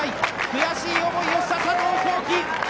悔しい思いをした佐藤航希。